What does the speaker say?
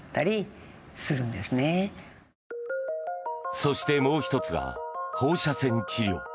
そして、もう１つが放射線治療。